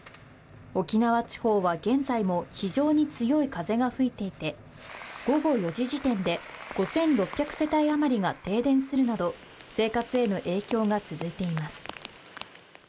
沖縄地方は現在も非常に強い風が吹いていて、午後４時時点で５６００世帯余りが停電するなど生活への影響が続いています。